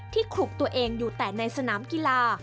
ขลุกตัวเองอยู่แต่ในสนามกีฬา